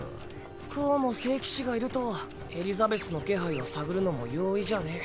こうも聖騎士がいるとエリザベスの気配を探るのも容易じゃねぇ。